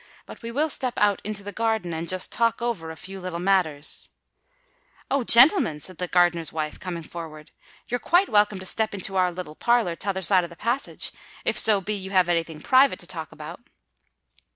But we will step out into the garden, and just talk over a few little matters——" "Oh! gentlemen," said the gardener's wife, coming forward, "you're quite welcome to step into our little parlour t'other side of the passage—if so be you have any thing private to talk about."